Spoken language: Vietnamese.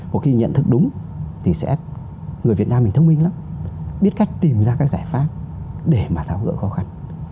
một khi nhận thức đúng thì sẽ người việt nam mình thông minh lắm biết cách tìm ra các giải pháp để mà tháo gỡ khó khăn